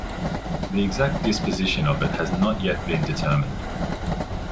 The exact disposition of it has not yet been determined.